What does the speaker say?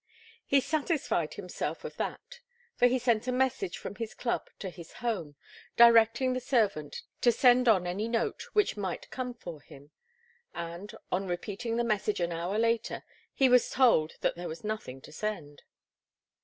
He satisfied himself of that, for he sent a message from his club to his home, directing the servant to send on any note which might come for him; and, on repeating the message an hour later, he was told that there was nothing to send.